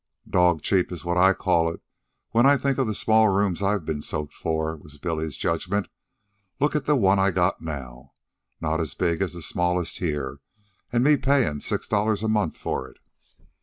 "Dog cheap is what I call it, when I think of the small rooms I've ben soaked for," was Billy's judgment. "Look at the one I got now, not as big as the smallest here, an' me payin' six dollars a month for it."